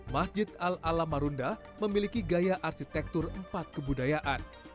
masjid al alam marunda memiliki gaya arsitektur empat kebudayaan